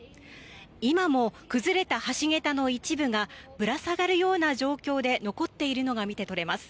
今も崩れた橋げたの一部がぶら下がるような状況で残っているのが見て取れます。